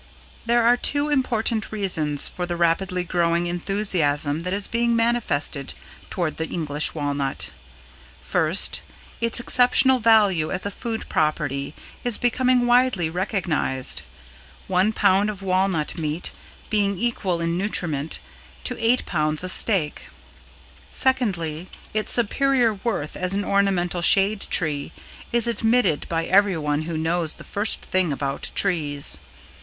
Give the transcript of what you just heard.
There are two important reasons for the rapidly growing enthusiasm that is being manifested toward the English Walnut: First, its exceptional value as a food property is becoming widely recognized, one pound of walnut meat being equal in nutriment to eight pounds of steak. Secondly, its superior worth as an ornamental shade tree is admitted by everyone who knows the first thing about trees.